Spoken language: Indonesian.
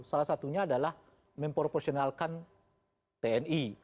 salah satunya adalah memproporsionalkan tni